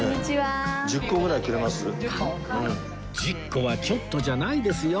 １０個は「ちょっと」じゃないですよ